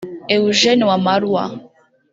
Eugene Wamalwa